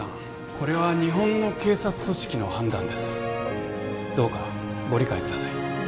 これは日本の警察組織の判断ですどうかご理解ください